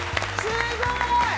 すごい！